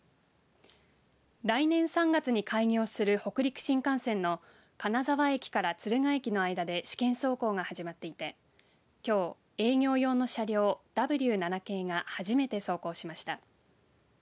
来年３月に開業する北陸新幹線の金沢駅から敦賀駅の間で試験走行が始まっていてきょう営業用の車両をＷ７系が初めて走行しました。